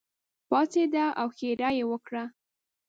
پاڅېده او ښېرا یې وکړه.